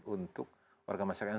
untuk warga masyarakat